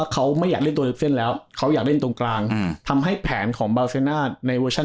คือคิดผมพูดผิดแต่ว่า